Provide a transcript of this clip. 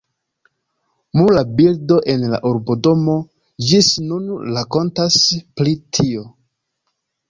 Mura bildo en la urbodomo ĝis nun rakontas pri tio.